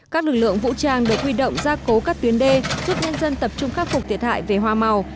các lực lượng vũ trang được huy động gia cố các tuyến đê giúp nhân dân tập trung khắc phục thiệt hại về hoa màu